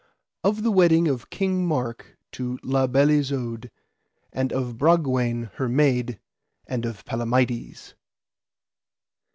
Of the wedding of King Mark to La Beale Isoud, and of Bragwaine her maid, and of Palamides.